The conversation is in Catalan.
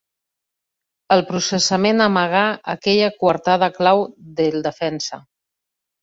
El processament amagà aquella coartada clau del defensa.